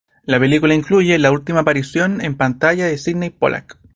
La película incluye la última aparición en pantalla de Sydney Pollack.